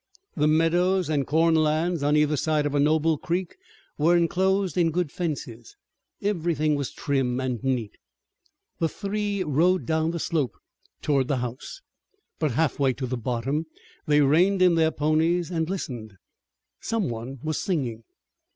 The meadows and corn lands on either side of a noble creek were enclosed in good fences. Everything was trim and neat. The three rode down the slope toward the house, but halfway to the bottom they reined in their ponies and listened. Some one was singing.